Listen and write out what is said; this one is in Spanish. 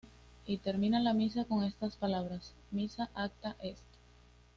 Y termina la Misa con estas palabras: "Missa acta est.